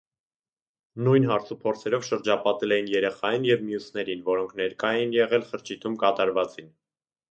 Նույն հարցուփորձերով շրջապատել էին երեխային և մյուսներին, որոնք ներկա էին եղել խրճիթում կատարվածին: